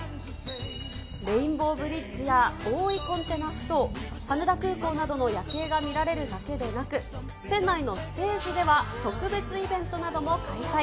レインボーブリッジや、大井コンテナふ頭、羽田空港などの夜景が見られるだけなく、船内のステージでは、特別イベントなども開催。